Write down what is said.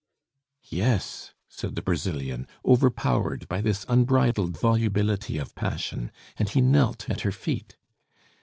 "Yes," said the Brazilian, overpowered by this unbridled volubility of passion. And he knelt at her feet.